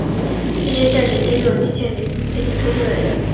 这些战时机构有几千名背景特殊的人。